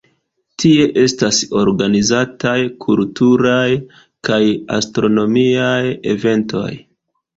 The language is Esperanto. Tie estas organizataj kulturaj kaj astronomiaj eventoj.